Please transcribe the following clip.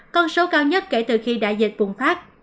con số cao nhất kể từ khi đại dịch bùng phát